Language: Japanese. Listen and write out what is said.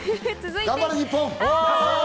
頑張れ日本！